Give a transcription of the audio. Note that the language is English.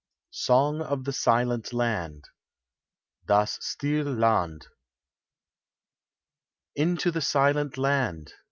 SONG OF THE SILENT LAND. " Das stille Land." Into the Silent Land